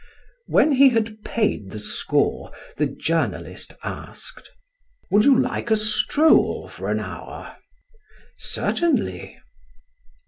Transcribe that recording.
When he had paid the score, the journalist asked: "Would you like a stroll for an hour?" "Certainly."